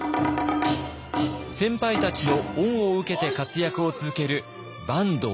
先輩たちの恩を受けて活躍を続ける坂東